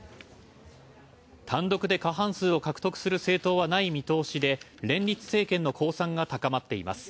単独で過半数を獲得する政党はない見通しで連立政権の公算が高まっています。